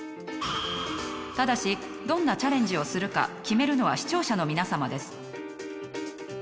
ただしどんなチャレンジをするか決めるのは視聴者の皆さまです。